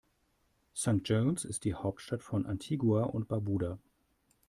St. John’s ist die Hauptstadt von Antigua und Barbuda.